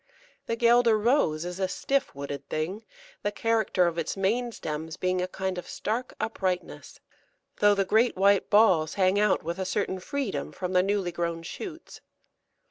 The Guelder Rose is a stiff wooded thing, the character of its main stems being a kind of stark uprightness, though the great white balls hang out with a certain freedom from the newly grown shoots.